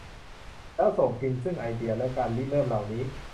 แล้วส่งพิน ซึ่งไอเดียและการริเริ่มเหล่านี้